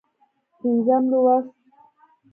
پينځم لوست